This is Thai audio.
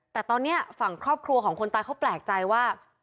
แต่ตอนนี้ฝั่งครอบครัวของคนตายเขาแปลกใจว่า